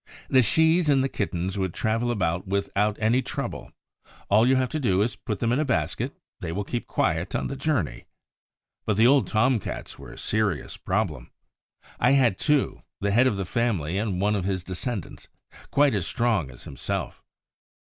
The shes and the kittens would travel without any trouble: all you have to do is to put them in a basket; they will keep quiet on the journey. But the old Tom cats were a serious problem. I had two, the head of the family and one of his descendants, quite as strong as himself.